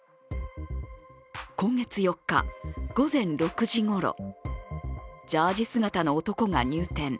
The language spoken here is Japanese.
今月４日、午前６時ごろ、ジャージー姿の男が入店。